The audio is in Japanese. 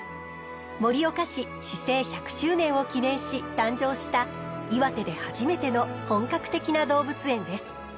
盛岡市市制１００周年を記念し誕生した岩手で初めての本格的な動物園です。